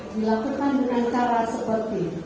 dilakukan dengan cara seperti